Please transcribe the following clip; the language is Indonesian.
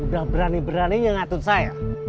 udah berani beraninya ngatut saya